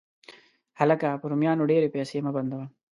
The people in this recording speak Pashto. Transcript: هلکه، په رومیانو ډېرې پیسې مه بندوه.